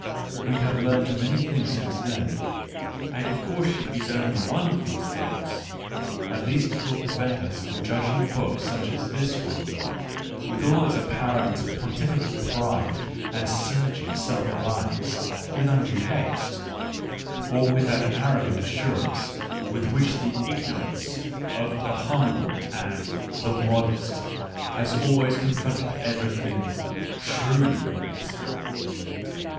We have learned many things since then, and if caution is only one of these things, at least it will prevent us from judging a book such as this one, with all its apparent pontifical pride and surging self reliance, with undue haste, or with that arrogant assurance with which the ignorance of a the humble " and " the modest " has always con fronted everything truly great.